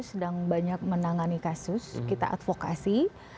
sedang banyak menangani kasus kita advokasi